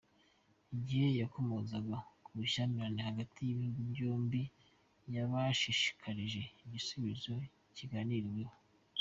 Igihe yakomozaga ku bushyamirane hagati y'ibihugu byombi, yabashishikarije "igisubizo kiganiriweho.